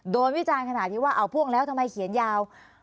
วิจารณ์ขนาดที่ว่าเอาพ่วงแล้วทำไมเขียนยาว